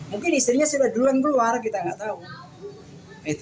mungkin istrinya sudah duluan keluar kita nggak tahu